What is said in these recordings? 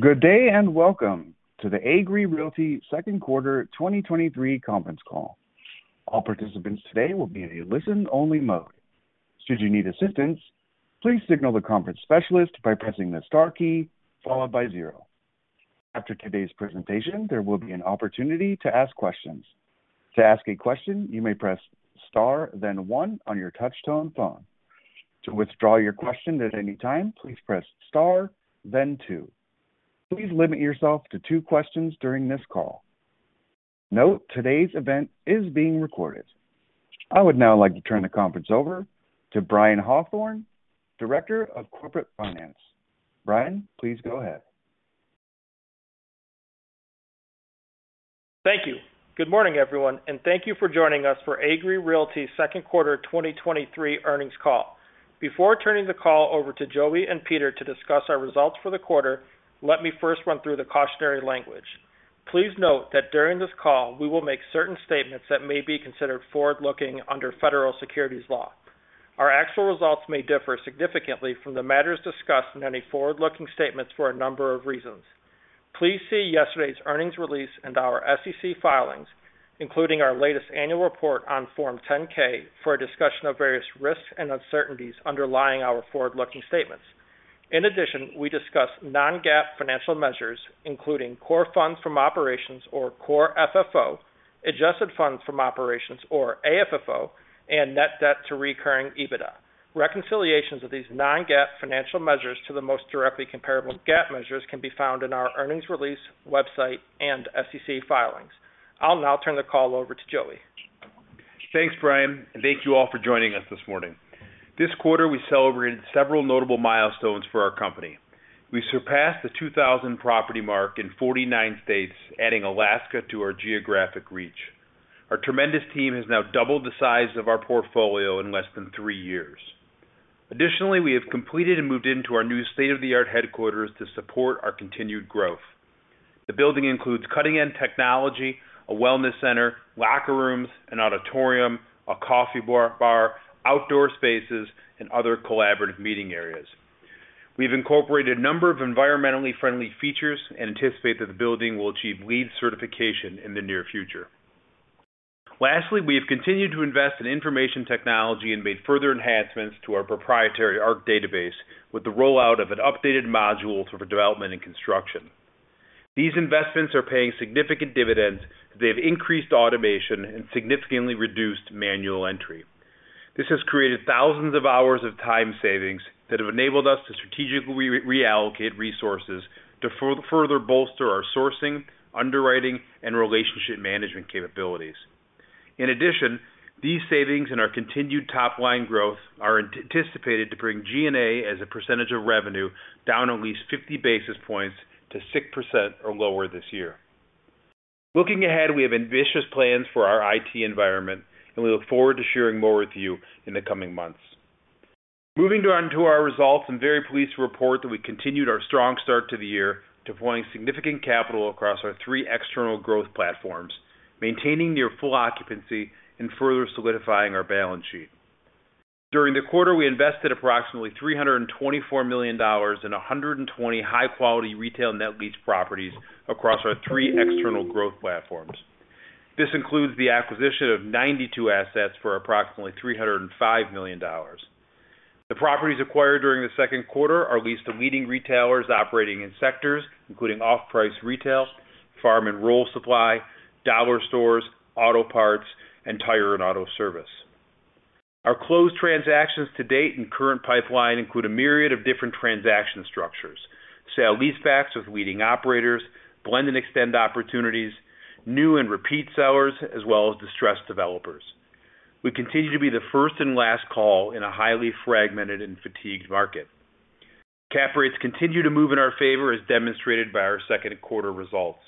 Good day, and welcome to the Agree Realty Second Quarter 2023 conference call. All participants today will be in a listen-only mode. Should you need assistance, please signal the conference specialist by pressing the star key, followed by zero. After today's presentation, there will be an opportunity to ask questions. To ask a question, you may press Star, then one on your touchtone phone. To withdraw your question at any time, please press star, then two. Please limit yourself to two questions during this call. Note, today's event is being recorded. I would now like to turn the conference over to Brian Hawthorne, Director of Corporate Finance. Brian, please go ahead. Thank you. Good morning, everyone, and thank you for joining us for Agree Realty Second Quarter 2023 earnings call. Before turning the call over to Joey and Peter to discuss our results for the quarter, let me first run through the cautionary language. Please note that during this call, we will make certain statements that may be considered forward-looking under federal securities law. Our actual results may differ significantly from the matters discussed in any forward-looking statements for a number of reasons. Please see yesterday's earnings release and our SEC filings, including our latest annual report on Form 10-K, for a discussion of various risks and uncertainties underlying our forward-looking statements. In addition, we discuss non-GAAP financial measures, including Core Funds from Operations, or Core FFO, Adjusted Funds from Operations, or AFFO, and Net Debt to Recurring EBITDA. Reconciliations of these non-GAAP financial measures to the most directly comparable GAAP measures can be found in our earnings release, website, and SEC filings. I'll now turn the call over to Joey. Thanks, Brian. Thank you all for joining us this morning. This quarter, we celebrated several notable milestones for our company. We surpassed the 2,000 property mark in 49 states, adding Alaska to our geographic reach. Our tremendous team has now doubled the size of our portfolio in less than three years. Additionally, we have completed and moved into our new state-of-the-art headquarters to support our continued growth. The building includes cutting-edge technology, a wellness center, locker rooms, an auditorium, a coffee bar, outdoor spaces, and other collaborative meeting areas. We've incorporated a number of environmentally friendly features and anticipate that the building will achieve LEED certification in the near future. Lastly, we have continued to invest in information technology and made further enhancements to our proprietary ARC database with the rollout of an updated module for development and construction. These investments are paying significant dividends as they have increased automation and significantly reduced manual entry. This has created thousands of hours of time savings that have enabled us to strategically reallocate resources to further bolster our sourcing, underwriting, and relationship management capabilities. In addition, these savings and our continued top-line growth are anticipated to bring G&A as a percentage of revenue down at least 50 basis points to 6% or lower this year. Looking ahead, we have ambitious plans for our IT environment, and we look forward to sharing more with you in the coming months. Moving on to our results, I'm very pleased to report that we continued our strong start to the year, deploying significant capital across our three external growth platforms, maintaining near full occupancy and further solidifying our balance sheet. During the quarter, we invested approximately $324 million in 120 high-quality retail net lease properties across our three external growth platforms. This includes the acquisition of 92 assets for approximately $305 million. The properties acquired during the second quarter are leased to leading retailers operating in sectors, including off-price retail, farm and rural supply, dollar stores, auto parts, and tire and auto service. Our closed transactions to date and current pipeline include a myriad of different transaction structures, sale-lease backs with leading operators, blend and extend opportunities, new and repeat sellers, as well as distressed developers. We continue to be the first and last call in a highly fragmented and fatigued market. Cap rates continue to move in our favor, as demonstrated by our second quarter results.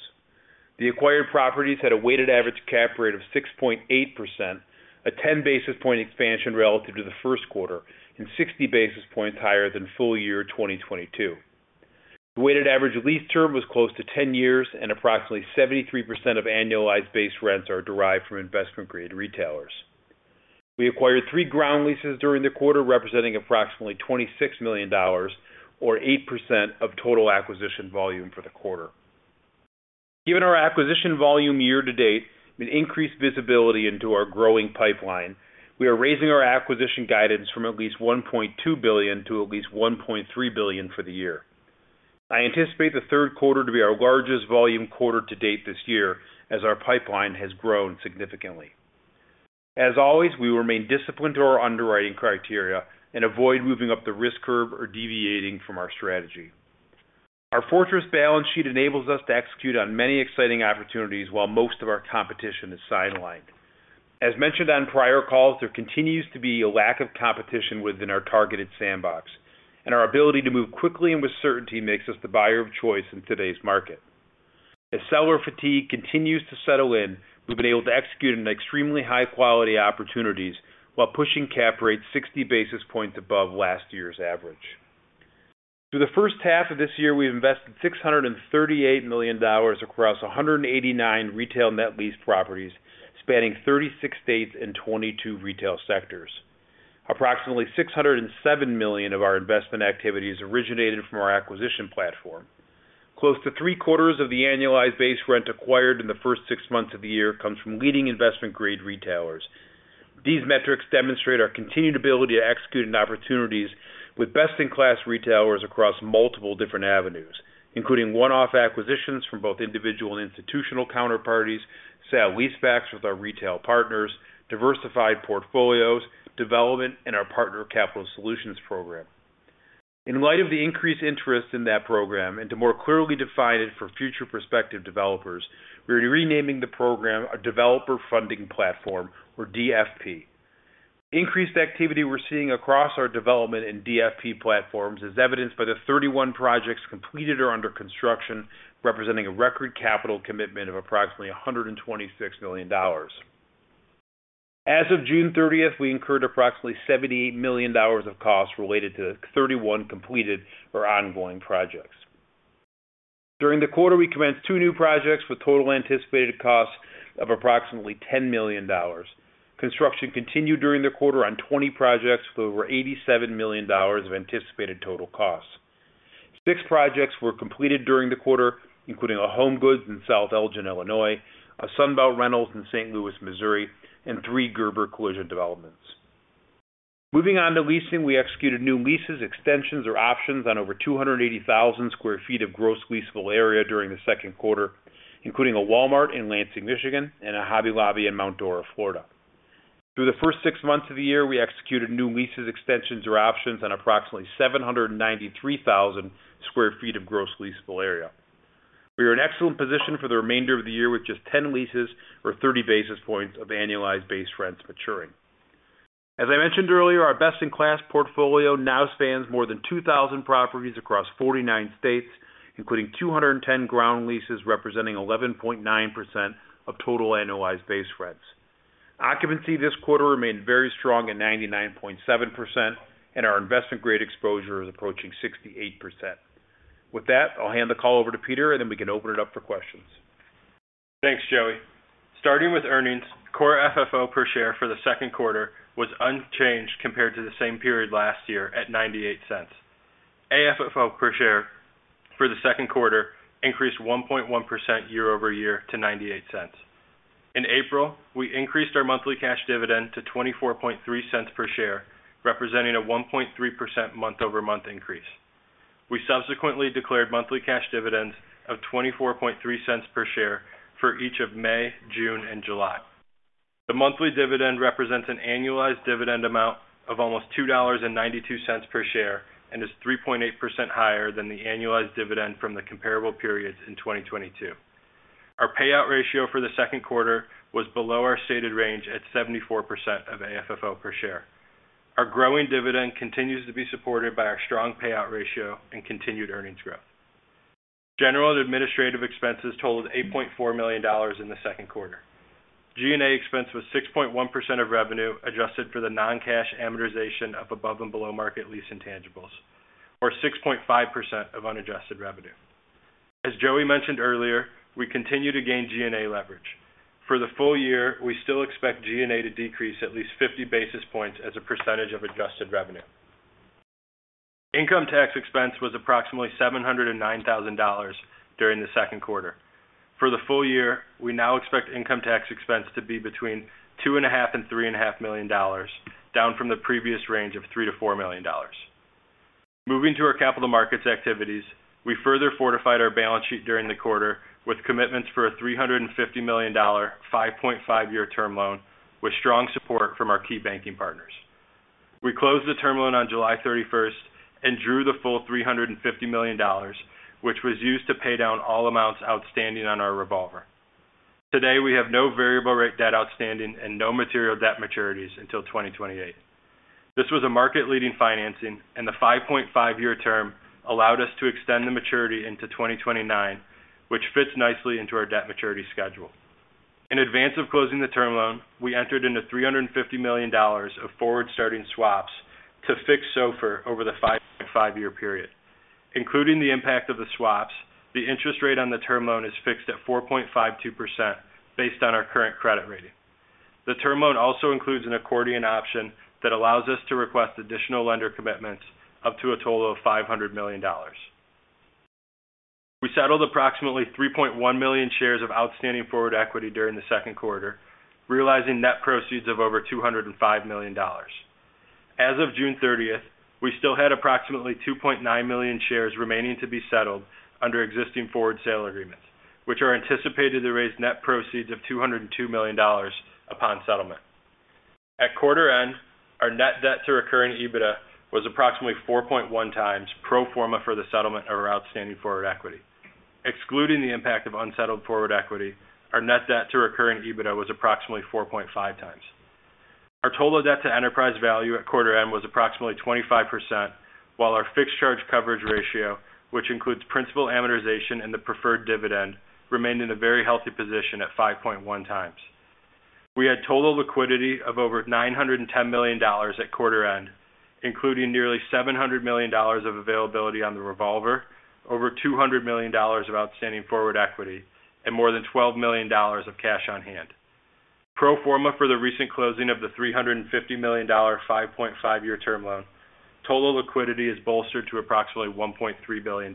The acquired properties had a weighted average cap rate of 6.8%, a 10 basis point expansion relative to the first quarter, and 60 basis points higher than full year 2022. The weighted average lease term was close to 10 years, and approximately 73% of Annualized Base Rents are derived from investment-grade retailers. We acquired three ground leases during the quarter, representing approximately $26 million or 8% of total acquisition volume for the quarter. Given our acquisition volume year-to-date, an increased visibility into our growing pipeline, we are raising our acquisition guidance from at least $1.2 billion to at least $1.3 billion for the year. I anticipate the third quarter to be our largest volume quarter to date this year as our pipeline has grown significantly. As always, we remain disciplined to our underwriting criteria and avoid moving up the risk curve or deviating from our strategy. Our fortress balance sheet enables us to execute on many exciting opportunities while most of our competition is sidelined. As mentioned on prior calls, there continues to be a lack of competition within our targeted sandbox, our ability to move quickly and with certainty makes us the buyer of choice in today's market. As seller fatigue continues to settle in, we've been able to execute on extremely high-quality opportunities while pushing cap rates 60 basis points above last year's average. Through the first half of this year, we've invested $638 million across 189 retail net lease properties, spanning 36 states and 22 retail sectors. Approximately $607 million of our investment activities originated from our acquisition platform. Close to three quarters of the annualized base rent acquired in the first six months of the year comes from leading investment-grade retailers. These metrics demonstrate our continued ability to execute on opportunities with best-in-class retailers across multiple different avenues, including one-off acquisitions from both individual and institutional counterparties, sale-leasebacks with our retail partners, diversified portfolios, development, and our Partner Capital Solutions program. In light of the increased interest in that program and to more clearly define it for future prospective developers, we are renaming the program a Developer Funding Platform, or DFP. Increased activity we're seeing across our development in DFP platforms is evidenced by the 31 projects completed or under construction, representing a record capital commitment of approximately $126 million. As of June 30th, we incurred approximately $78 million of costs related to the 31 completed or ongoing projects. During the quarter, we commenced 2 new projects with total anticipated costs of approximately $10 million. Construction continued during the quarter on 20 projects with over $87 million of anticipated total costs. 6 projects were completed during the quarter, including a HomeGoods in South Elgin, Illinois, a Sunbelt Rentals in St. Louis, Missouri, and 3 Gerber Collision developments. Moving on to leasing, we executed new leases, extensions, or options on over 280,000 sq ft of gross leasable area during the second quarter, including a Walmart in Lansing, Michigan, and a Hobby Lobby in Mount Dora, Florida. Through the first 6 months of the year, we executed new leases, extensions, or options on approximately 793,000 sq ft of gross leasable area. We are in excellent position for the remainder of the year, with just 10 leases or 30 basis points of annualized base rents maturing. As I mentioned earlier, our best-in-class portfolio now spans more than 2,000 properties across 49 states, including 210 ground leases, representing 11.9% of total annualized base rents. Occupancy this quarter remained very strong at 99.7%, and our investment-grade exposure is approaching 68%. With that, I'll hand the call over to Peter, and then we can open it up for questions. Thanks, Joey. Starting with earnings, Core FFO per share for the second quarter was unchanged compared to the same period last year at $0.98. AFFO per share for the second quarter increased 1.1% year-over-year to $0.98. In April, we increased our monthly cash dividend to $0.243 per share, representing a 1.3% month-over-month increase. We subsequently declared monthly cash dividends of $0.243 per share for each of May, June, and July. The monthly dividend represents an annualized dividend amount of almost $2.92 per share, and is 3.8% higher than the annualized dividend from the comparable periods in 2022. Our payout ratio for the second quarter was below our stated range at 74% of AFFO per share. Our growing dividend continues to be supported by our strong payout ratio and continued earnings growth. General and administrative expenses totaled $8.4 million in the second quarter. G&A expense was 6.1% of revenue, adjusted for the non-cash amortization of above-and-below-market lease intangibles, or 6.5% of unadjusted revenue. As Joey mentioned earlier, we continue to gain G&A leverage. For the full year, we still expect G&A to decrease at least 50 basis points as a percentage of adjusted revenue. Income tax expense was approximately $709,000 during the second quarter. For the full year, we now expect income tax expense to be between $2.5 million and $3.5 million, down from the previous range of $3 million-$4 million. Moving to our capital markets activities, we further fortified our balance sheet during the quarter with commitments for a $350 million, 5.5-year term loan, with strong support from our key banking partners. We closed the term loan on July 31st and drew the full $350 million, which was used to pay down all amounts outstanding on our revolver. Today, we have no variable rate debt outstanding and no material debt maturities until 2028. This was a market-leading financing, and the 5.5-year term allowed us to extend the maturity into 2029, which fits nicely into our debt maturity schedule. In advance of closing the term loan, we entered into $350 million of forward-starting swaps to fix SOFR over the 5.5-year period. Including the impact of the swaps, the interest rate on the term loan is fixed at 4.52% based on our current credit rating. The term loan also includes an accordion option that allows us to request additional lender commitments up to a total of $500 million. We settled approximately 3.1 million shares of outstanding forward equity during the second quarter, realizing net proceeds of over $205 million. As of June 30th, we still had approximately 2.9 million shares remaining to be settled under existing forward sale agreements, which are anticipated to raise net proceeds of $202 million upon settlement. At quarter-end, our Net Debt to Recurring EBITDA was approximately 4.1x pro forma for the settlement of our outstanding forward equity. Excluding the impact of unsettled forward equity, our Net Debt to Recurring EBITDA was approximately 4.5x. Our total debt to enterprise value at quarter end was approximately 25%, while our fixed charge coverage ratio, which includes principal amortization and the preferred dividend, remained in a very healthy position at 5.1x. We had total liquidity of over $910 million at quarter end. including nearly $700 million of availability on the revolver, over $200 million of outstanding forward equity, and more than $12 million of cash on hand. Pro forma for the recent closing of the $350 million 5.5-year term loan, total liquidity is bolstered to approximately $1.3 billion.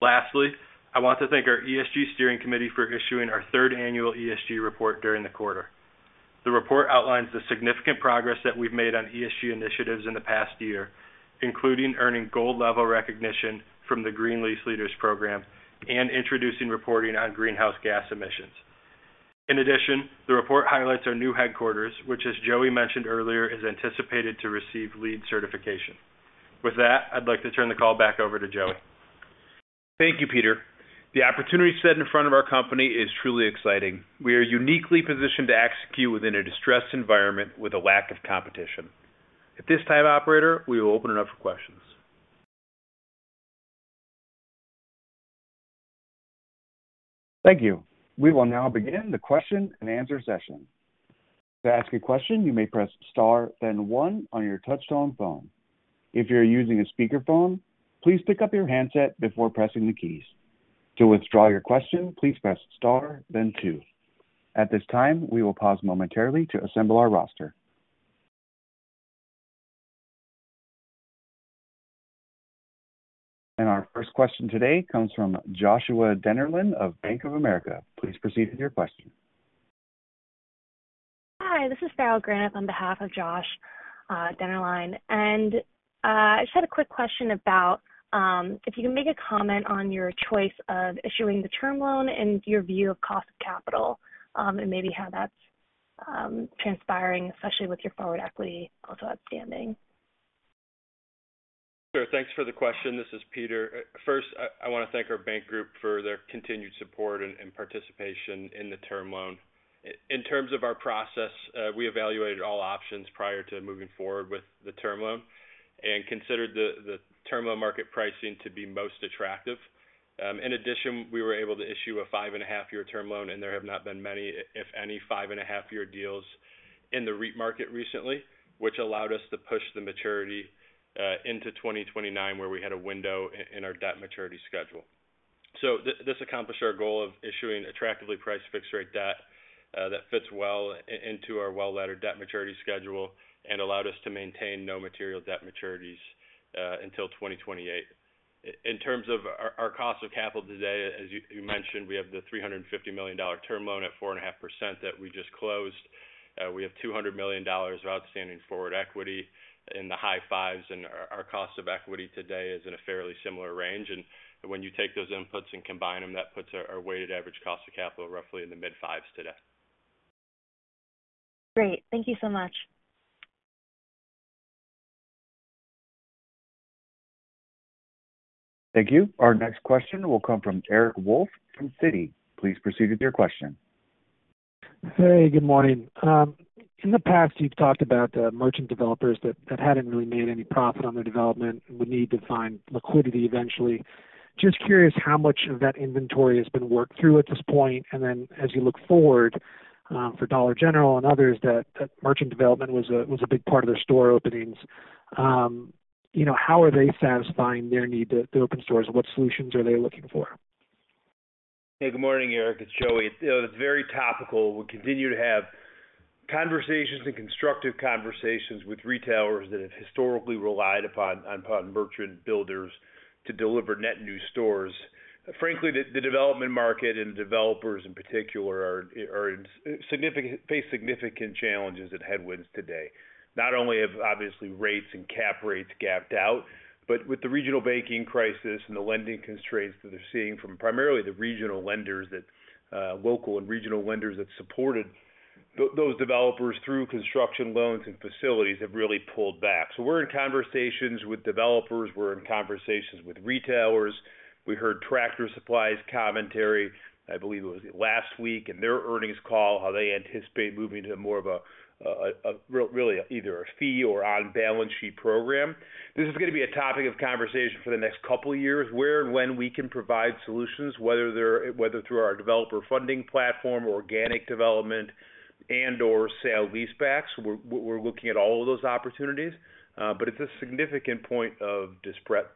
Lastly, I want to thank our ESG Steering Committee for issuing our third annual ESG report during the quarter. The report outlines the significant progress that we've made on ESG initiatives in the past year, including earning gold-level recognition from the Green Lease Leaders program and introducing reporting on greenhouse gas emissions. In addition, the report highlights our new headquarters, which, as Joey mentioned earlier, is anticipated to receive LEED certification. With that, I'd like to turn the call back over to Joey. Thank you, Peter. The opportunity set in front of our company is truly exciting. We are uniquely positioned to execute within a distressed environment with a lack of competition. At this time, operator, we will open it up for questions. Thank you. We will now begin the question-and-answer session. To ask a question, you may press star, then one on your touch-tone phone. If you're using a speakerphone, please pick up your handset before pressing the keys. To withdraw your question, please press star then two. At this time, we will pause momentarily to assemble our roster. Our first question today comes from Joshua Dennerlein of Bank of America. Please proceed with your question. Hi, this is Farrell Granath on behalf of Josh Dennerlein. I just had a quick question about if you can make a comment on your choice of issuing the term loan and your view of cost of capital, and maybe how that's transpiring, especially with your forward equity also outstanding? Sure. Thanks for the question. This is Peter. First, I want to thank our bank group for their continued support and participation in the term loan. In terms of our process, we evaluated all options prior to moving forward with the term loan and considered the term loan market pricing to be most attractive. In addition, we were able to issue a 5.5-year term loan, and there have not been many, if any, 5.5-year deals in the REIT market recently, which allowed us to push the maturity into 2029, where we had a window in our debt maturity schedule. This, this accomplished our goal of issuing attractively priced fixed-rate debt that fits well into our well-laddered debt maturity schedule and allowed us to maintain no material debt maturities until 2028. In terms of our, our cost of capital today, as you, you mentioned, we have the $350 million term loan at 4.5% that we just closed. We have $200 million of outstanding forward equity in the high-fives, and our, our cost of equity today is in a fairly similar range. When you take those inputs and combine them, that puts our, our weighted average cost of capital roughly in the mid-fives today. Great. Thank you so much. Thank you. Our next question will come from Eric Wolfe from Citi. Please proceed with your question. Hey, good morning. In the past, you've talked about merchant developers that, that hadn't really made any profit on their development and would need to find liquidity eventually. Just curious how much of that inventory has been worked through at this point, and then as you look forward, for Dollar General and others, that, that merchant development was a, was a big part of their store openings, you know, how are they satisfying their need to, to open stores, and what solutions are they looking for? Hey, good morning, Eric. It's Joey. You know, it's very topical. We continue to have conversations and constructive conversations with retailers that have historically relied upon, upon merchant builders to deliver net new stores. Frankly, the development market and developers in particular, face significant challenges and headwinds today. Not only have obviously rates and cap rates gapped out, but with the regional banking crisis and the lending constraints that they're seeing from primarily the regional lenders, that local and regional lenders that supported those developers through construction loans and facilities have really pulled back. We're in conversations with developers, we're in conversations with retailers. We heard Tractor Supply's commentary, I believe it was last week in their earnings call, how they anticipate moving to more of really either a fee or on-balance sheet program. This is going to be a topic of conversation for the next couple of years, where and when we can provide solutions, whether through our Developer Funding Platform or organic development and/or sale-leasebacks. We're looking at all of those opportunities, but it's a significant point of distress.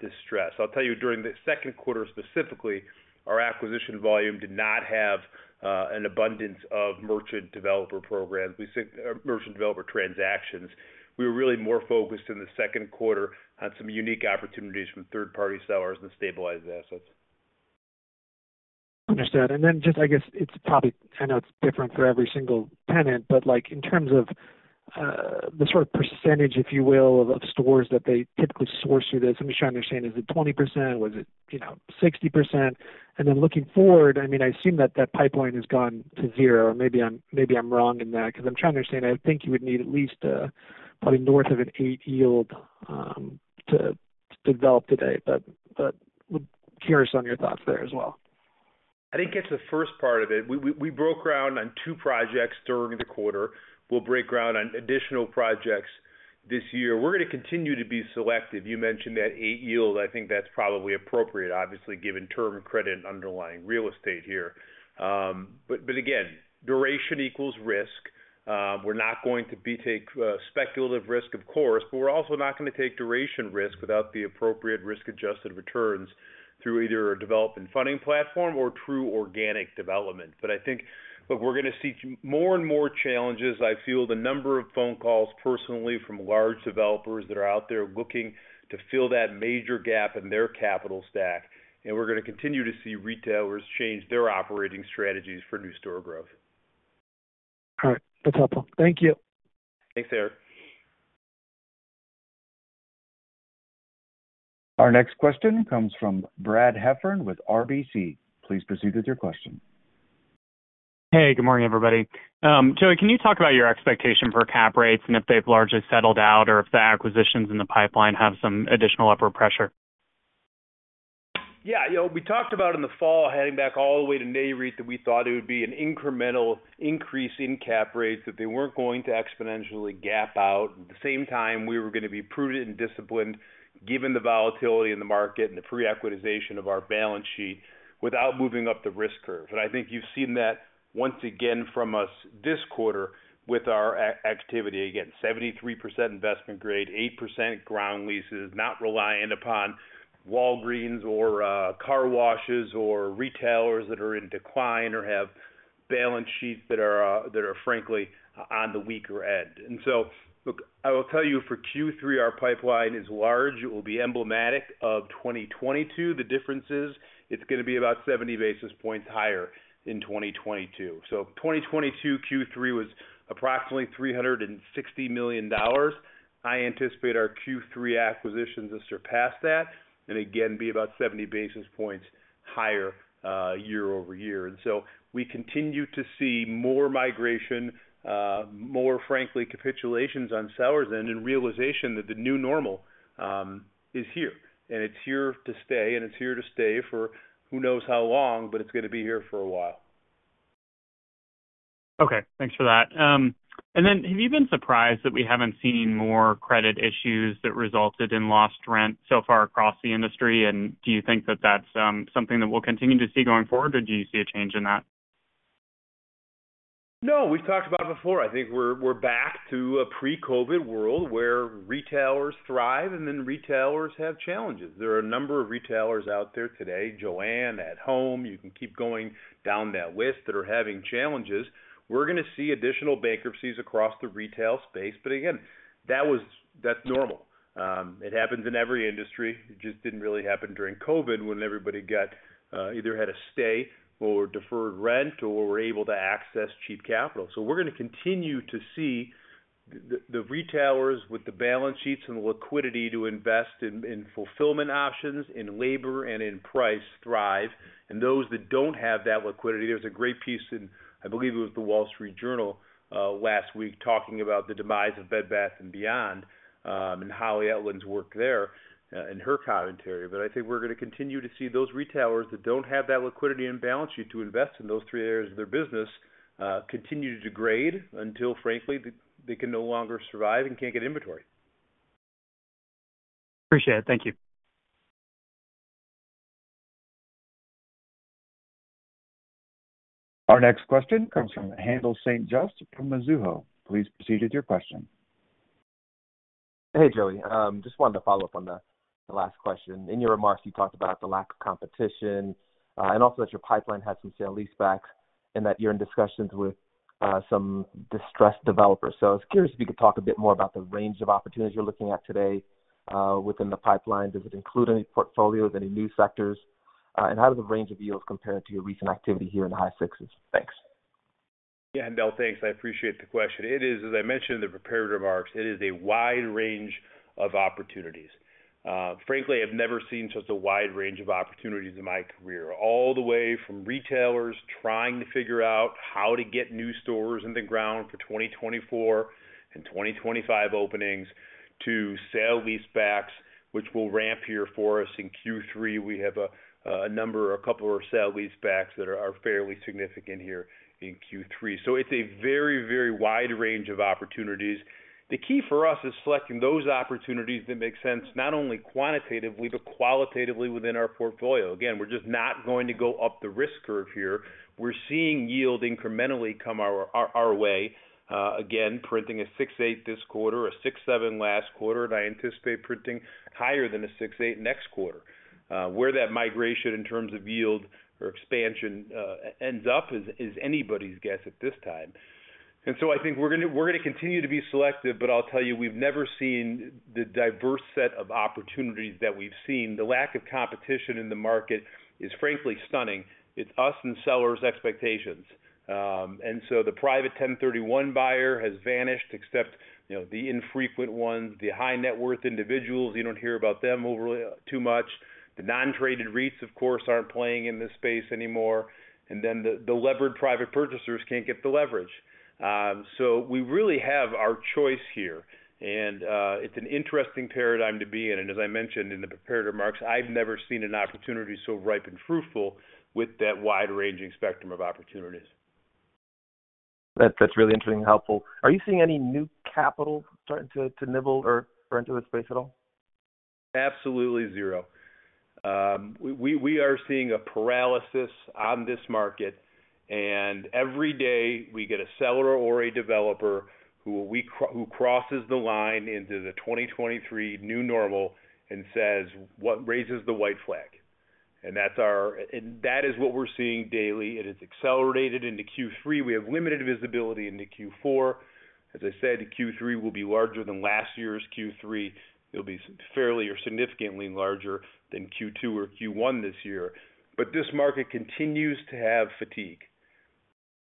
I'll tell you, during the second quarter specifically, our acquisition volume did not have an abundance of merchant developer programs, we think merchant developer transactions. We were really more focused in the second quarter on some unique opportunities from third-party sellers and stabilized assets. Understood. Just I guess it's probably, I know it's different for every single tenant, but, like, in terms of the sort of percentage, if you will, of stores that they typically source through this, I'm just trying to understand, is it 20%? Was it, you know, 60%? Then looking forward, I mean, I assume that that pipeline has gone to zero, or maybe I'm, maybe I'm wrong in that because I'm trying to understand. I think you would need at least probably north of an eight yield to develop today, but, but curious on your thoughts there as well. I think it's the first part of it. We broke ground on 2 projects during the quarter. We'll break ground on additional projects this year. We're going to continue to be selective. You mentioned that 8% yield. I think that's probably appropriate, obviously, given term credit and underlying real estate here. Again, duration equals risk. We're not going to be take speculative risk, of course, but we're also not gonna take duration risk without the appropriate risk-adjusted returns through either a developer funding platform or true organic development. I think. Look, we're gonna see more and more challenges. I feel the number of phone calls personally from large developers that are out there looking to fill that major gap in their capital stack, and we're gonna continue to see retailers change their operating strategies for new store growth. All right. That's helpful. Thank you. Thanks, Eric. Our next question comes from Brad Heffern with RBC. Please proceed with your question. Hey, good morning, everybody. Joey, can you talk about your expectation for cap rates and if they've largely settled out, or if the acquisitions in the pipeline have some additional upward pressure? Yeah, you know, we talked about in the fall, heading back all the way to Nareit, that we thought it would be an incremental increase in cap rates, that they weren't going to exponentially gap out. The same time, we were gonna be prudent and disciplined, given the volatility in the market and the pre-equitization of our balance sheet, without moving up the risk curve. I think you've seen that once again from us this quarter with our activity. Again, 73% investment grade, 8% ground leases, not reliant upon Walgreens or car washes or retailers that are in decline or have balance sheets that are that are frankly, on the weaker end. Look, I will tell you, for Q3, our pipeline is large. It will be emblematic of 2022. The difference is, it's gonna be about 70 basis points higher in 2022. 2022, Q3 was approximately $360 million. I anticipate our Q3 acquisitions to surpass that, and again, be about 70 basis points higher, year-over-year. We continue to see more migration, more, frankly, capitulations on sellers' end, and realization that the new normal is here, and it's here to stay, and it's here to stay for who knows how long, but it's gonna be here for a while. Okay, thanks for that. Have you been surprised that we haven't seen more credit issues that resulted in lost rent so far across the industry? Do you think that that's something that we'll continue to see going forward, or do you see a change in that? No, we've talked about it before. I think we're, we're back to a pre-COVID world, where retailers thrive and then retailers have challenges. There are a number of retailers out there today, JOANN, At Home, you can keep going down that list, that are having challenges. We're gonna see additional bankruptcies across the retail space, but again, that's normal. It happens in every industry. It just didn't really happen during COVID, when everybody got either had a stay or deferred rent or were able to access cheap capital. We're gonna continue to see the, the retailers with the balance sheets and the liquidity to invest in, in fulfillment options, in labor and in price, thrive. Those that don't have that liquidity... There was a great piece in, I believe it was The Wall Street Journal, last week, talking about the demise of Bed Bath & Beyond, and Holly Etlin's work there, and her commentary. I think we're gonna continue to see those retailers that don't have that liquidity and balance sheet to invest in those three areas of their business, continue to degrade until frankly, they, they can no longer survive and can't get inventory. Appreciate it. Thank you. Our next question comes from Haendel St. Juste from Mizuho. Please proceed with your question. Hey, Joey. Just wanted to follow up on the last question. In your remarks, you talked about the lack of competition, and also that your pipeline had some sale-leasebacks, and that you're in discussions with some distressed developers. I was curious if you could talk a bit more about the range of opportunities you're looking at today within the pipeline. Does it include any portfolios, any new sectors? How do the range of yields compare to your recent activity here in the high-sixes? Thanks. Yeah, Haendel, thanks. I appreciate the question. It is, as I mentioned in the prepared remarks, it is a wide range of opportunities. Frankly, I've never seen such a wide range of opportunities in my career. All the way from retailers trying to figure out how to get new stores in the ground for 2024 and 2025 openings, to sale-leasebacks, which will ramp here for us in Q3. We have a number, a couple of sale-leasebacks that are fairly significant here in Q3. It's a very, very wide range of opportunities. The key for us is selecting those opportunities that make sense, not only quantitatively, but qualitatively within our portfolio. Again, we're just not going to go up the risk curve here. We're seeing yield incrementally come our, our way. Again, printing a 6.8% this quarter, a 6.7% last quarter. I anticipate printing higher than a 6.8% next quarter. Where that migration in terms of yield or expansion ends up is anybody's guess at this time. I think we're gonna, we're gonna continue to be selective, but I'll tell you, we've never seen the diverse set of opportunities that we've seen. The lack of competition in the market is, frankly, stunning. It's us and sellers' expectations. The private 1031 buyer has vanished, except, you know, the infrequent ones, the high-net-worth individuals, you don't hear about them too much. The non-traded REITs, of course, aren't playing in this space anymore. Then the, the levered private purchasers can't get the leverage. We really have our choice here, and it's an interesting paradigm to be in. As I mentioned in the prepared remarks, I've never seen an opportunity so ripe and fruitful with that wide-ranging spectrum of opportunities. That, that's really interesting and helpful. Are you seeing any new capital starting to nibble or enter the space at all? Absolutely zero. We, we are seeing a paralysis on this market. Every day we get a seller or a developer who we who crosses the line into the 2023 new normal and says, "What raises the white flag?" That's our—and that is what we're seeing daily, and it's accelerated into Q3. We have limited visibility into Q4. As I said, Q3 will be larger than last year's Q3. It'll be fairly or significantly larger than Q2 or Q1 this year. This market continues to have fatigue.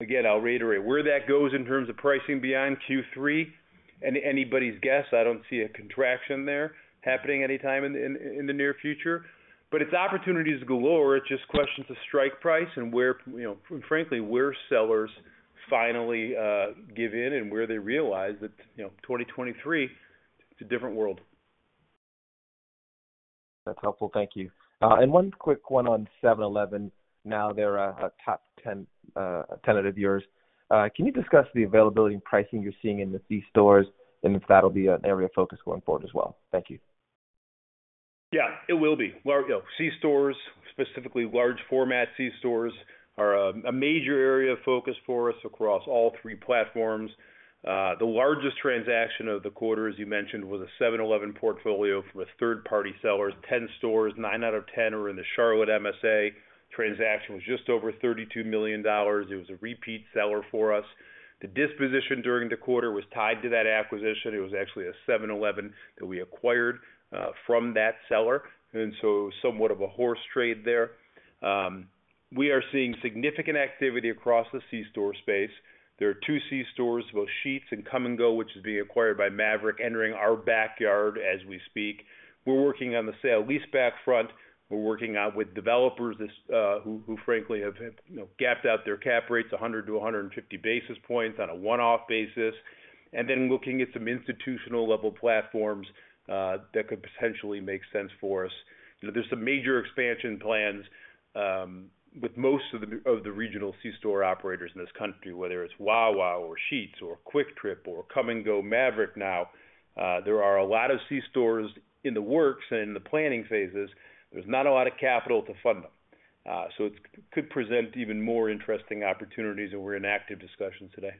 Again, I'll reiterate, where that goes in terms of pricing beyond Q3, anybody's guess, I don't see a contraction there happening anytime in, in the near future. It's opportunities galore, it's just questions of strike price and where, you know, frankly, where sellers finally give in and where they realize that, you know, 2023, it's a different world. That's helpful. Thank you. One quick one on 7-Eleven. Now, they're a top 10 tenant of yours. Can you discuss the availability and pricing you're seeing in the C-stores, and if that'll be an area of focus going forward as well? Thank you. Yeah, it will be. you know, C-stores, specifically large format C-stores, are a, a major area of focus for us across all three platforms. The largest transaction of the quarter, as you mentioned, was a 7-Eleven portfolio from a third-party seller. 10 stores, nine out of 10 are in the Charlotte MSA. Transaction was just over $32 million. It was a repeat seller for us. The disposition during the quarter was tied to that acquisition. It was actually a 7-Eleven that we acquired from that seller, and so somewhat of a horse trade there. We are seeing significant activity across the C-store space. There are two C-stores, both Sheetz and Kum & Go, which is being acquired by Maverik, entering our backyard as we speak. We're working on the sale-leaseback front. We're working out with developers, this, who, who frankly have, have, you know, gapped out their cap rates 100-150 basis points on a one-off basis, and then looking at some institutional-level platforms, that could potentially make sense for us. You know, there's some major expansion plans, with most of the, of the regional C-store operators in this country, whether it's Wawa or Sheetz or Kwik Trip or Kum & Go, Maverik now. There are a lot of C-stores in the works and in the planning phases. There's not a lot of capital to fund them, so it's could present even more interesting opportunities, and we're in active discussions today.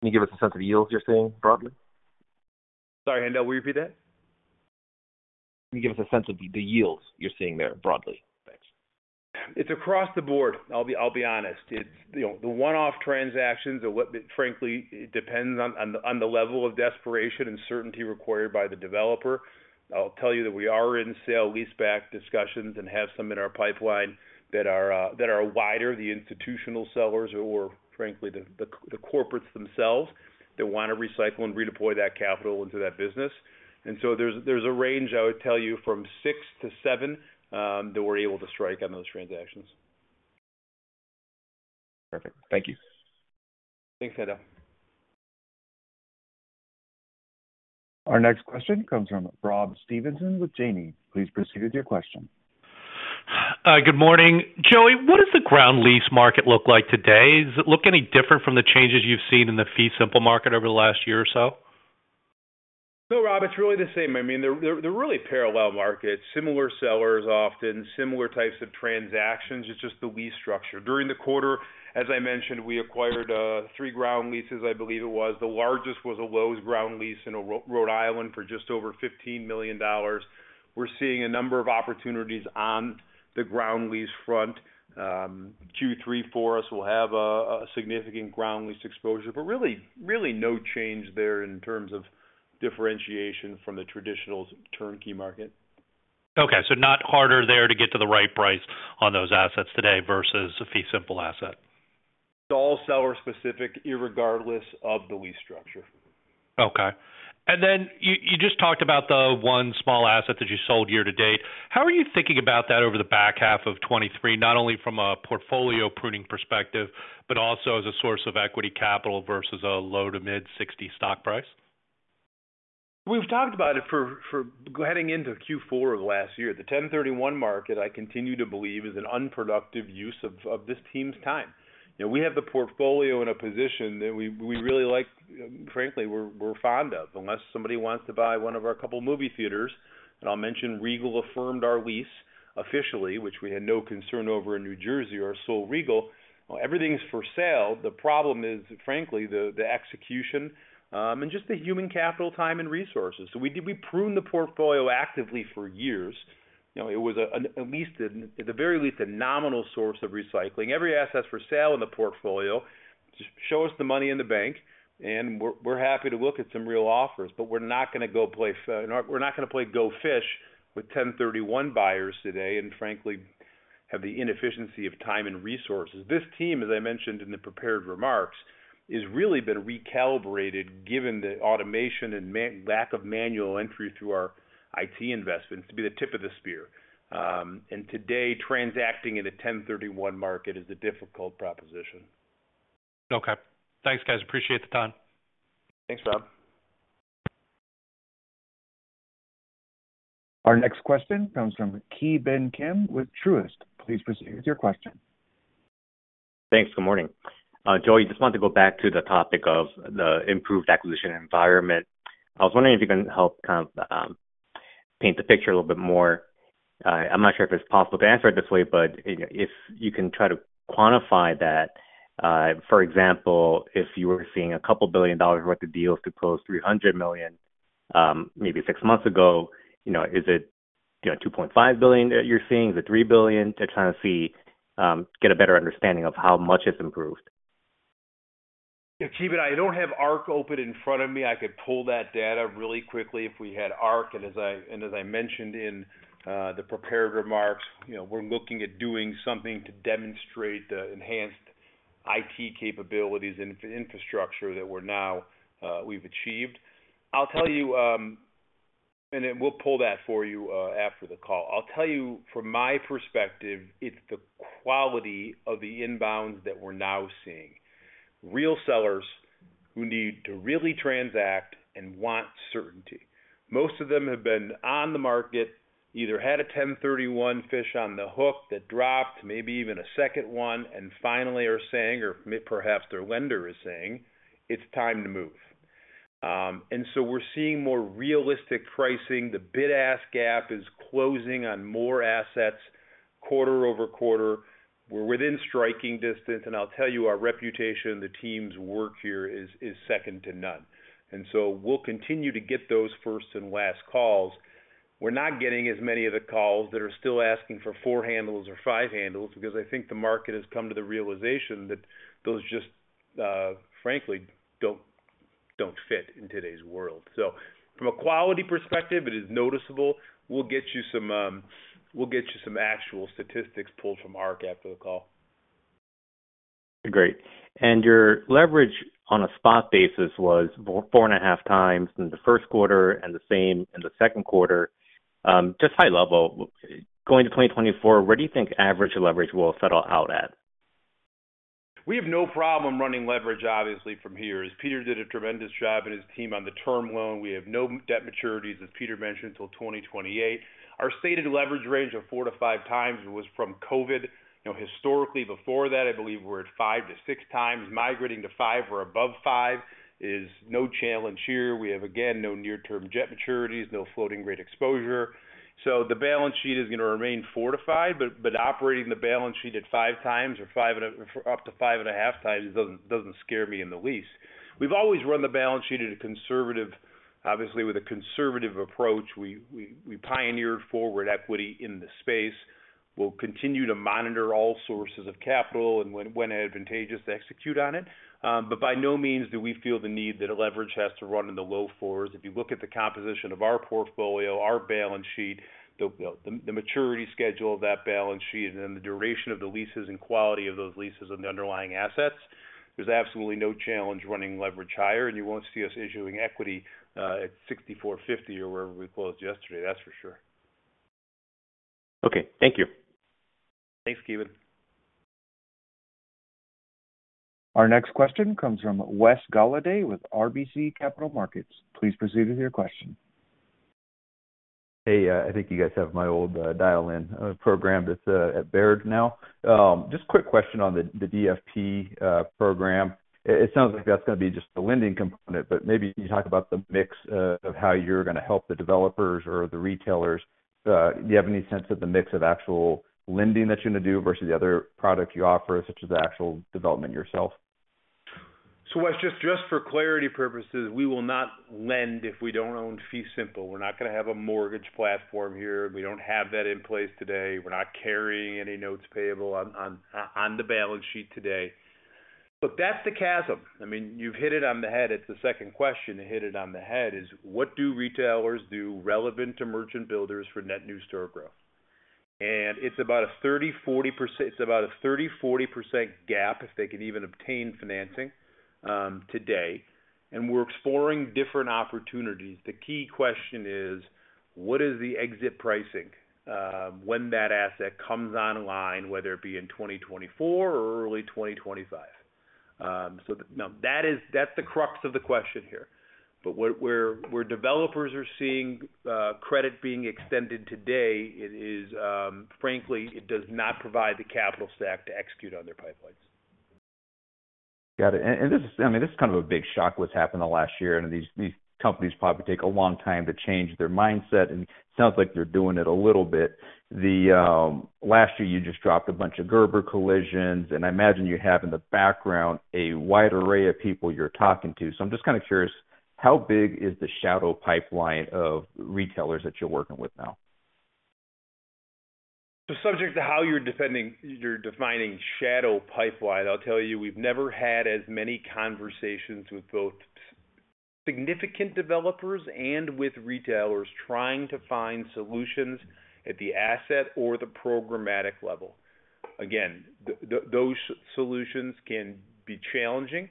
Can you give us a sense of the yields you're seeing broadly? Sorry, Haendel, will you repeat that? Can you give us a sense of the, the yields you're seeing there broadly? Thanks. It's across the board. I'll be, I'll be honest. It's, you know, the one-off transactions are frankly, it depends on the level of desperation and certainty required by the developer. I'll tell you that we are in sale-leaseback discussions and have some in our pipeline that are, that are wider, the institutional sellers or frankly, the, the, the corporates themselves, that want to recycle and redeploy that capital into that business. So there's, there's a range, I would tell you, from six to seven, that we're able to strike on those transactions. Perfect. Thank you. Thanks, Haendel. Our next question comes from Rob Stevenson with Janney. Please proceed with your question. Good morning. Joey, what does the ground lease market look like today? Does it look any different from the changes you've seen in the fee simple market over the last year or so? No, Rob, it's really the same. I mean, they're, they're, they're really parallel markets, similar sellers, often similar types of transactions. It's just the lease structure. During the quarter, as I mentioned, we acquired three ground leases, I believe it was. The largest was a Lowe's ground lease in Rhode Island for just over $15 million. We're seeing a number of opportunities on the ground lease front. Q3 for us will have a, a significant ground lease exposure, but really, really no change there in terms of differentiation from the traditional turnkey market. Okay, not harder there to get to the right price on those assets today versus a fee simple asset? It's all seller-specific, regardless of the lease structure. Okay. Then you, you just talked about the one small asset that you sold year-to-date. How are you thinking about that over the back half of 2023, not only from a portfolio pruning perspective, but also as a source of equity capital versus a low to mid $60 stock price? We've talked about it for, for heading into Q4 of last year. The 1031 market, I continue to believe, is an unproductive use of, of this team's time. You know, we have the portfolio in a position that we, we really like, frankly, we're, we're fond of. Unless somebody wants to buy one of our couple movie theaters, and I'll mention Regal affirmed our lease officially, which we had no concern over in New Jersey, our sole Regal. Everything is for sale. The problem is, frankly, the, the execution, and just the human capital, time, and resources. We did. We pruned the portfolio actively for years. You know, it was a, an, at least, at the very least, a nominal source of recycling. Every asset's for sale in the portfolio. Just show us the money in the bank, and we're, we're happy to look at some real offers, but we're not gonna go play we're not gonna play go fish with 1031 buyers today, and frankly, have the inefficiency of time and resources. This team, as I mentioned in the prepared remarks, is really been recalibrated, given the automation and lack of manual entry through our IT investments, to be the tip of the spear. Today, transacting in a 1031 market is a difficult proposition. Okay. Thanks, guys. Appreciate the time. Thanks, Rob. Our next question comes from Ki Bin Kim with Truist. Please proceed with your question. Thanks. Good morning. Joey, just want to go back to the topic of the improved acquisition environment. I was wondering if you can help kind of paint the picture a little bit more. I'm not sure if it's possible to answer it this way, but if you can try to quantify that, for example, if you were seeing $2 billion worth of deals to close $300 million, maybe six months ago, you know, is it, you know, $2.5 billion that you're seeing? Is it $3 billion? Just trying to see, get a better understanding of how much it's improved. Yeah, Kevin, I don't have ARC open in front of me. I could pull that data really quickly if we had ARC. As I, and as I mentioned in the prepared remarks, you know, we're looking at doing something to demonstrate the enhanced IT capabilities and in-infrastructure that we're now we've achieved. I'll tell you, then we'll pull that for you after the call. I'll tell you, from my perspective, it's the quality of the inbounds that we're now seeing. Real sellers who need to really transact and want certainty. Most of them have been on the market, either had a 1031 fish on the hook that dropped, maybe even a second one, and finally are saying, or perhaps their lender is saying, "It's time to move." So we're seeing more realistic pricing. The bid-ask gap is closing on more assets quarter-over-quarter. We're within striking distance, I'll tell you, our reputation, the team's work here is, is second to none. We'll continue to get those first and last calls. We're not getting as many of the calls that are still asking for four handles or five handles because I think the market has come to the realization that those just, frankly, don't, don't fit in today's world. From a quality perspective, it is noticeable. We'll get you some, we'll get you some actual statistics pulled from ARC after the call. Great. Your leverage on a spot basis was 4.5x in the first quarter and the same in the second quarter. Just high level, going to 2024, where do you think average leverage will settle out at? We have no problem running leverage, obviously, from here, as Peter did a tremendous job and his team on the term loan. We have no debt maturities, as Peter mentioned, until 2028. Our stated leverage range of 4x-5x was from COVID. You know, historically before that, I believe we're at 5x-6x. Migrating to 5x or above 5x is no challenge here. We have, again, no near-term debt maturities, no floating rate exposure. The balance sheet is going to remain fortified, but operating the balance sheet at 5x or up to 5.5x doesn't scare me in the least. We've always run the balance sheet, obviously, with a conservative approach. We pioneered forward equity in the space. We'll continue to monitor all sources of capital and when, when advantageous, to execute on it. By no means do we feel the need that a leverage has to run in the low fours. If you look at the composition of our portfolio, our balance sheet, the, the, the maturity schedule of that balance sheet, and then the duration of the leases and quality of those leases and the underlying assets, there's absolutely no challenge running leverage higher, and you won't see us issuing equity, at $64.50 or wherever we closed yesterday, that's for sure. Okay, thank you. Thanks, Kevin. Our next question comes from Wes Golladay with RBC Capital Markets. Please proceed with your question. Hey, I think you guys have my old dial-in programmed. It's at Baird now. Just quick question on the DFP program. It sounds like that's going to be just the lending component, but maybe can you talk about the mix of how you're going to help the developers or the retailers? Do you have any sense of the mix of actual lending that you're going to do versus the other products you offer, such as the actual development yourself? Wes, just, just for clarity purposes, we will not lend if we don't own fee simple. We're not going to have a mortgage platform here. We don't have that in place today. We're not carrying any notes payable on, on, on the balance sheet today. That's the chasm. I mean, you've hit it on the head. It's the second question that hit it on the head, is what do retailers do relevant to merchant builders for net new store growth? It's about a 30%-40% gap if they can even obtain financing today. We're exploring different opportunities. The key question is: What is the exit pricing when that asset comes online, whether it be in 2024 or early 2025? Now that is that's the crux of the question here. Where, where, where developers are seeing, credit being extended today, it is, frankly, it does not provide the capital stack to execute on their pipelines. Got it. And, and this is, I mean, this is kind of a big shock what's happened in the last year, and these, these companies probably take a long time to change their mindset, and it sounds like they're doing it a little bit. The last year, you just dropped a bunch of Gerber Collisions, and I imagine you have in the background a wide array of people you're talking to. I'm just kind of curious, how big is the shadow pipeline of retailers that you're working with now? Subject to how you're defining shadow pipeline, I'll tell you, we've never had as many conversations with both significant developers and with retailers trying to find solutions at the asset or the programmatic level. Again, those solutions can be challenging.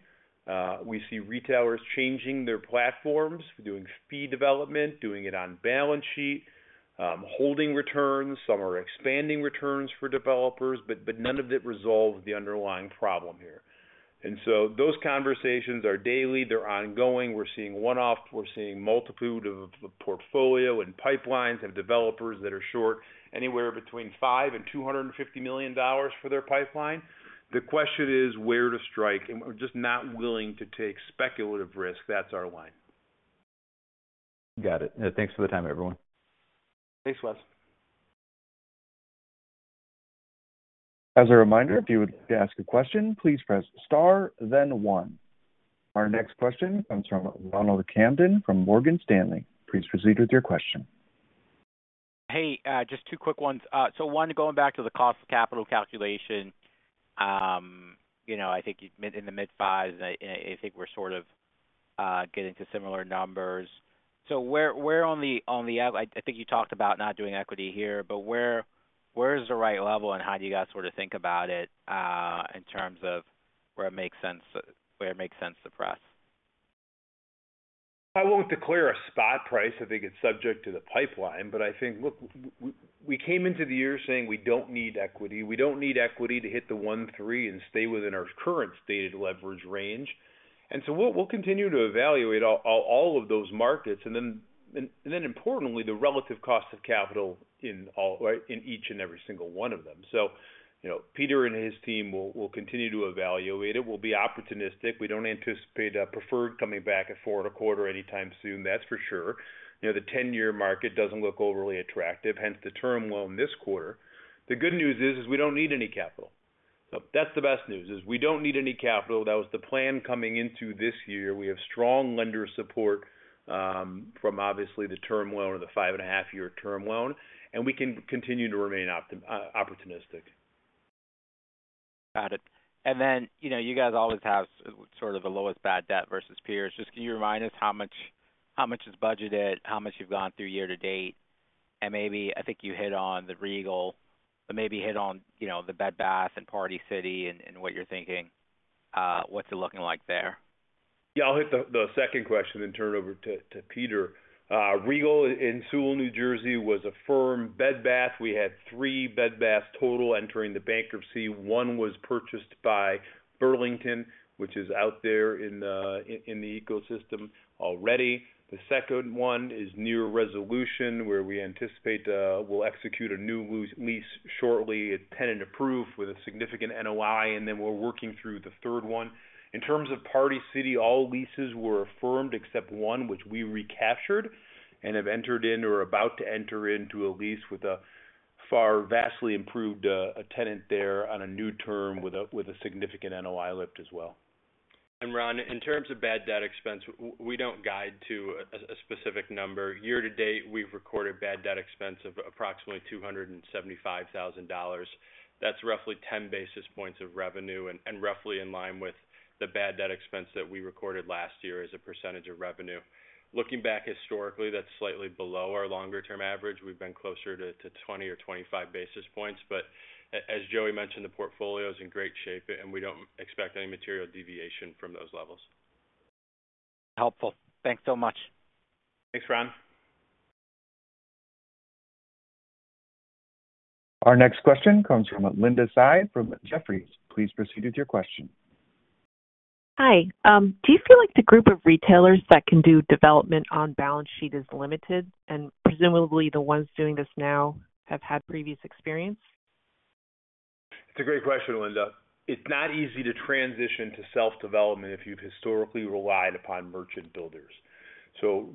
We see retailers changing their platforms, doing fee development, doing it on balance sheet, holding returns. Some are expanding returns for developers, but none of it resolves the underlying problem here. Those conversations are daily, they're ongoing. We're seeing one-off, we're seeing multitude of portfolio and pipelines and developers that are short, anywhere between $5 million and $250 million for their pipeline. The question is where to strike? We're just not willing to take speculative risk. That's our line. Got it. Thanks for the time, everyone. Thanks, Wes. As a reminder, if you would like to ask a question, please press star, then one. Our next question comes from Ronald Kamdem from Morgan Stanley. Please proceed with your question. Hey, just two quick ones. One, going back to the cost of capital calculation, you know, I think you've in the mid-fives, I, I think we're sort of getting to similar numbers. Where, where on the I think you talked about not doing equity here, but where, where is the right level, and how do you guys sort of think about it, in terms of where it makes sense, where it makes sense to press? I won't declare a spot price. I think it's subject to the pipeline, but I think, look, we came into the year saying, we don't need equity. We don't need equity to hit the one to three and stay within our current stated leverage range. So we'll, we'll continue to evaluate all, all, all of those markets, and then, and then importantly, the relative cost of capital in all, in each and every single one of them. You know, Peter and his team will, will continue to evaluate it. We'll be opportunistic. We don't anticipate preferred coming back at 4.25% anytime soon, that's for sure. You know, the 10-year market doesn't look overly attractive, hence the term loan this quarter. The good news is, is we don't need any capital. That's the best news, is we don't need any capital. That was the plan coming into this year. We have strong lender support, from obviously, the term loan or the 5.5-year term loan, and we can continue to remain opportunistic. Got it. Then, you know, you guys always have sort of the lowest bad debt versus peers. Just can you remind us how much, how much is budgeted, how much you've gone through year-to-date? Maybe, I think you hit on the Regal, but maybe hit on, you know, the Bed Bath and Party City and, and what you're thinking. What's it looking like there? Yeah, I'll hit the second question then turn it over to Peter. Regal in Sewell, New Jersey, was a firm Bed Bath. We had three Bed Bath total entering the bankruptcy. One was purchased by Burlington, which is out there in the ecosystem already. The second one is near resolution, where we anticipate we'll execute a new lease shortly, a tenant approved with a significant NOI. Then we're working through the third one. In terms of Party City, all leases were affirmed except one, which we recaptured and have entered in or are about to enter into a lease with a far vastly improved tenant there on a new term with a significant NOI lift as well. Ron, in terms of bad debt expense, we don't guide to a specific number. Year-to-date, we've recorded bad debt expense of approximately $275,000. That's roughly 10 basis points of revenue and roughly in line with the bad debt expense that we recorded last year as a percentage of revenue. Looking back historically, that's slightly below our longer-term average. We've been closer to 20 or 25 basis points, but as Joey mentioned, the portfolio is in great shape, and we don't expect any material deviation from those levels. Helpful. Thanks so much. Thanks, Ron. Our next question comes from Linda Tsai from Jefferies. Please proceed with your question. Hi. Do you feel like the group of retailers that can do development on balance sheet is limited, and presumably, the ones doing this now have had previous experience? It's a great question, Linda. It's not easy to transition to self-development if you've historically relied upon merchant builders.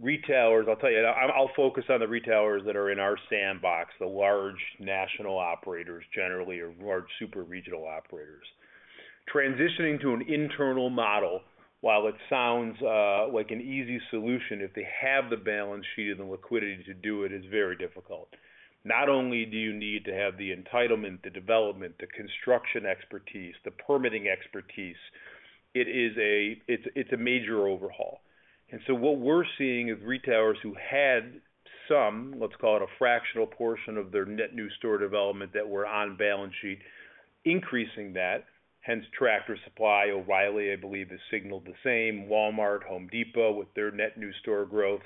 Retailers, I'll tell you, I'll, I'll focus on the retailers that are in our sandbox, the large national operators, generally, or large super regional operators. Transitioning to an internal model, while it sounds like an easy solution, if they have the balance sheet and the liquidity to do it, is very difficult. Not only do you need to have the entitlement, the development, the construction expertise, the permitting expertise, it's, it's a major overhaul. What we're seeing is retailers who had some, let's call it a fractional portion of their net new store development that were on balance sheet, increasing that. Hence, Tractor Supply. O'Reilly, I believe, has signaled the same. Walmart, Home Depot, with their net new store growth,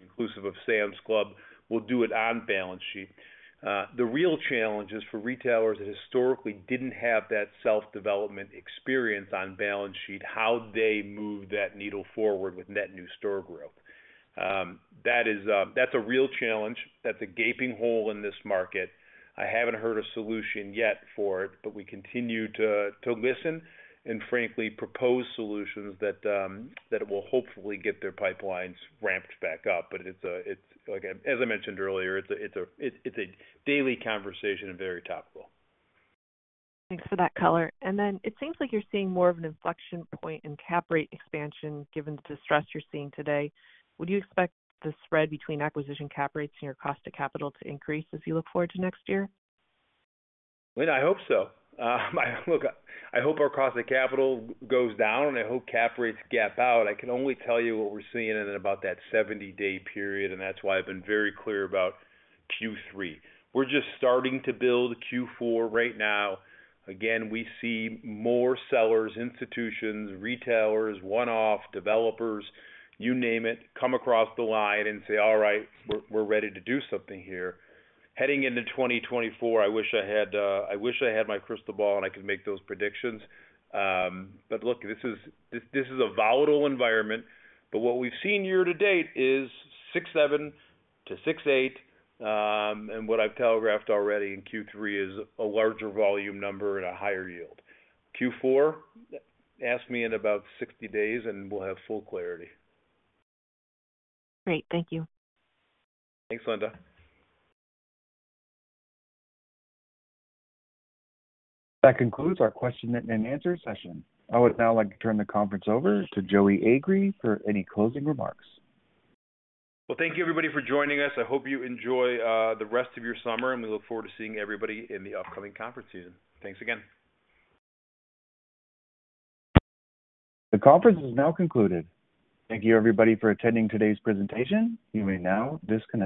inclusive of Sam's Club, will do it on balance sheet. The real challenge is for retailers that historically didn't have that self-development experience on balance sheet, how they move that needle forward with net new store growth. That is, that's a real challenge. That's a gaping hole in this market. I haven't heard a solution yet for it, but we continue to, to listen and frankly, propose solutions that, that will hopefully get their pipelines ramped back up. It's a, it's like as I mentioned earlier, it's a, it's a, it's a daily conversation and very topical. Thanks for that color. Then it seems like you're seeing more of an inflection point in cap rate expansion given the distress you're seeing today. Would you expect the spread between acquisition cap rates and your cost of capital to increase as you look forward to next year? Linda, I hope so. Look, I hope our cost of capital goes down, and I hope cap rates gap out. I can only tell you what we're seeing in about that 70-day period. That's why I've been very clear about Q3. We're just starting to build Q4 right now. Again, we see more sellers, institutions, retailers, one-off, developers, you name it, come across the line and say, "All right, we're, we're ready to do something here." Heading into 2024, I wish I had, I wish I had my crystal ball, and I could make those predictions. Look, this is, this, this is a volatile environment, but what we've seen year-to-date is 6.7%-6.8%. What I've telegraphed already in Q3 is a larger volume number and a higher yield. Q4, ask me in about 60 days, and we'll have full clarity. Great. Thank you. Thanks, Linda. That concludes our question and answer session. I would now like to turn the conference over to Joey Agree for any closing remarks. Thank you, everybody, for joining us. I hope you enjoy the rest of your summer, and we look forward to seeing everybody in the upcoming conference season. Thanks again. The conference is now concluded. Thank you, everybody, for attending today's presentation. You may now disconnect.